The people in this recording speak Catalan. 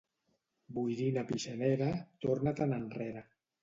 Boirina pixanera, torna-te'n enrere.